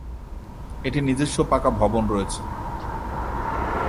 এটির নিজস্ব পাকা ভবন রয়েছে।